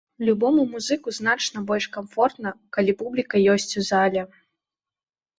Любому музыку значна больш камфортна, калі публіка ёсць у зале.